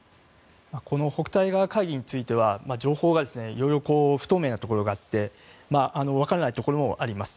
この北戴河会議については情報が色々不透明なところがあってわからないところもあります。